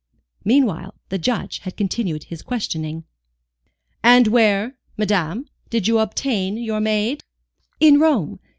Meanwhile, the Judge had continued his questioning. "And where, madame, did you obtain your maid?" "In Rome.